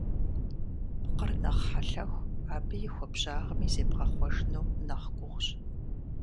Пкъыр нэхъ хьэлъэху, абы и хуабжьагъми зебгъэхъуэжыну нэхъ гугъущ.